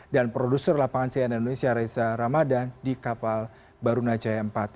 dan produser lapangan cn indonesia reza ramadhan di kapal baruna jaya empat